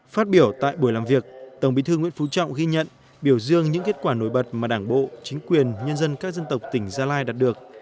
phát biểu tại buổi làm việc tổng bí thư nguyễn phú trọng ghi nhận biểu dương những kết quả nổi bật mà đảng bộ chính quyền nhân dân các dân tộc tỉnh gia lai đạt được